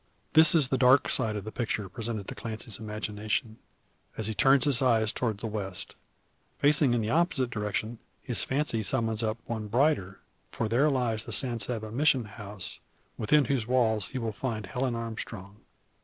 This is the dark side of the picture presented to Clancy's imagination, as he turns his eyes towards the west. Facing in the opposite direction his fancy summons up one brighter. For there lies the San Saba Mission house, within whose walls he will find Helen Armstrong.